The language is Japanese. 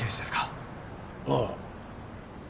ああ。